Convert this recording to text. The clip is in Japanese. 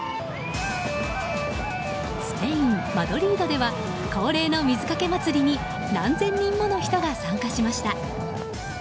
スペイン・マドリードでは恒例の水かけ祭りに何千人もの人が参加しました。